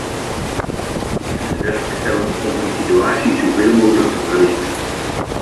Wij zullen alles in het werk stellen om hun situatie zoveel mogelijk te verlichten.